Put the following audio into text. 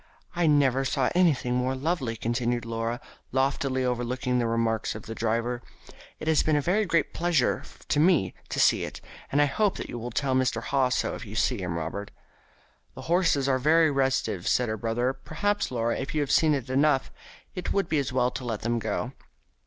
"I never saw anything more lovely," continued Laura, loftily overlooking the remarks of the driver. "It has been a very great pleasure to me to see it, and I hope that you will tell Mr. Haw so if you see him, Robert." "The horses are very restive," said her brother. "Perhaps, Laura, if you have seen enough, it would be as well to let them go."